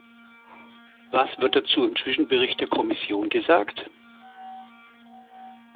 Was wird dazu im Zwischenbericht der Kommission gesagt?